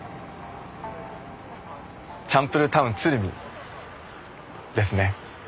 「チャンプルータウン鶴見」ですね。